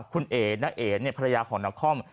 คุณเอกน้าเอกเนี่ยภรรยาของนคร